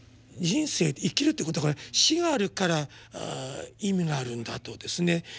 人生で生きるっていうことが死があるから意味があるんだとですね